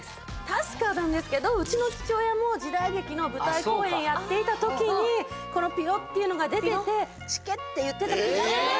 確かなんですけど、うちの父親も時代劇の舞台公演をやっていた時にピロっていうのが出ててシケって言っていた気がする。